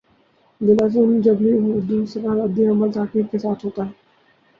بالعموم جبلّی دوسرا رد عمل تاخیر کے ساتھ ہوتا ہے۔